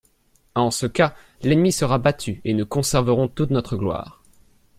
»En ce cas, l'ennemi sera battu, et nous conserverons toute notre gloire.